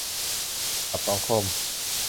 ดาบสองคม